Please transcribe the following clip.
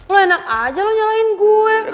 lo enak aja lo nyalain gue